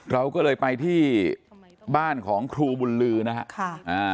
เราก็เลยไปที่บ้านของครูบุญลือนะครับ